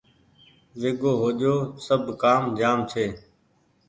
ويگي هو جو سب ڪآم جآم ڇي